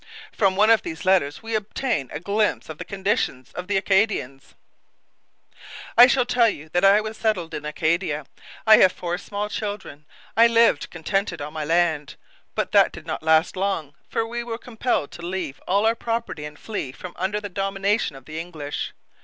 From one of these letters we obtain a glimpse of the conditions of the Acadians: I shall tell you that I was settled in Acadia. I have four small children. I lived contented on my land. But that did not last long, for we were compelled to leave all our property and flee from under the domination of the English.